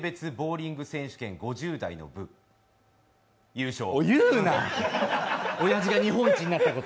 全日本年齢別ボウリング選手権５０代の部、優勝。